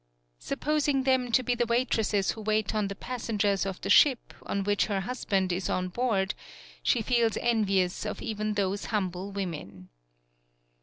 Sup posing them to be the waitresses who wait on the passengers of the ship, on which her husband is on board, she feels envious of even those humble women.